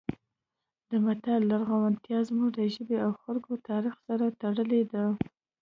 د متل لرغونتیا زموږ د ژبې او خلکو تاریخ سره تړلې ده